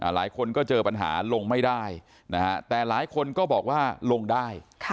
หลายคนก็เจอปัญหาลงไม่ได้แต่หลายคนก็บอกว่าลงได้